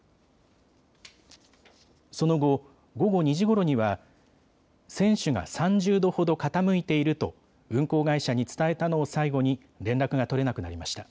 その後、午後２時ごろには船首が３０度ほど傾いていると運航会社に伝えたのを最後に連絡が取れなくなりました。